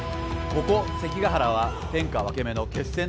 ここ関ケ原は天下分け目の決戦の地。